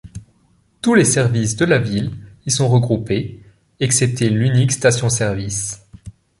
Tous les services de la ville y sont regroupés, excepté l'unique station service.